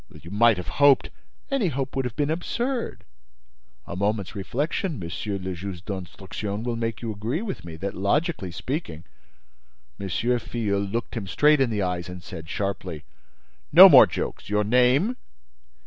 "You might have hoped—" "Any hope would have been absurd. A moment's reflection, Monsieur le Juge d'Instruction, will make you agree with me that, logically speaking—" M. Filleul looked him straight in the eyes and said, sharply: "No more jokes! Your name?"